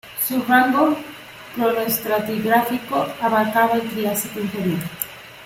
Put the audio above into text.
Su rango cronoestratigráfico abarcaba el Triásico inferior.